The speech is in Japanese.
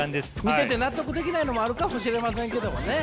見てて納得できないのもあるかもしれませんけどもね。